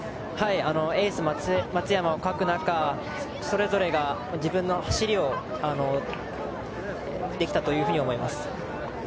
エース、松山を欠く中それぞれが自分の走りができたというふうに思います。